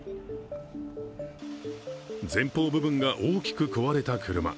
前方部分が大きく壊れた車。